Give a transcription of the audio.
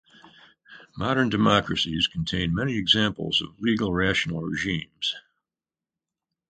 Modern democracies contain many examples of legal-rational regimes.